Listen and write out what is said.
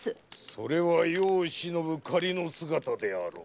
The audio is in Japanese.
それは世を忍ぶ仮の姿であろう。